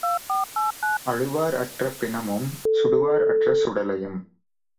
அழுவார் அற்ற பிணமும் சுடுவார் அற்ற சுடலையும்.